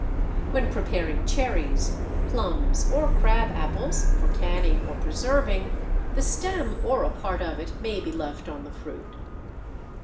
When preparing cherries, plums, or crab apples for canning or preserving, the stem or a part of it may be left on the fruit.